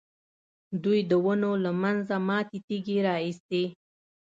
دوی د ونو له منځه ماتې تېږې را اخیستې.